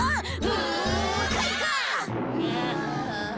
うんかいか！